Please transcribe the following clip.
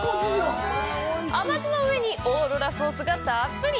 甘酢の上にオーロラソースがたっぷり！